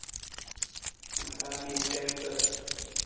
Ma haa mi siirta.